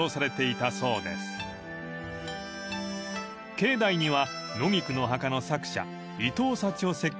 ［境内には］